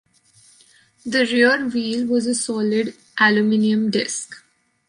The rear wheel was a solid aluminum disc.